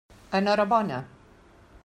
Enhorabona.